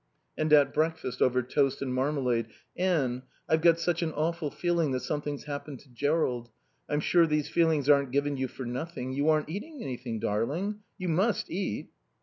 And at breakfast, over toast and marmalade: "Anne, I've got such an awful feeling that something's happened to Jerrold. I'm sure these feelings aren't given you for nothing... You aren't eating anything, darling. You must eat."